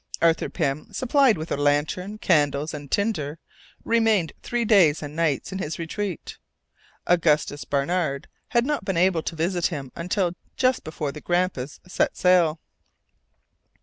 Arthur Pym, supplied with a lantern, candles, and tinder, remained three days and nights in his retreat. Augustus Barnard had not been able to visit him until just before the Grampus set sail.